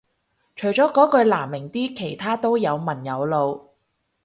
除咗嗰句難明啲其他都有文有路